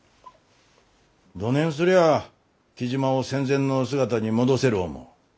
どねんすりゃあ雉真を戦前の姿に戻せる思う？